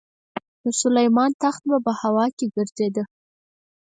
د سلیمان تخت به په هوا کې ګرځېده.